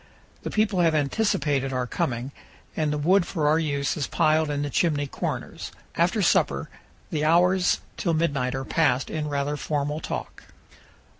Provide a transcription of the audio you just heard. The people have anticipated our coming, and the wood for our use is piled in the chimney corners. After supper the hours till midnight are passed in rather formal talk.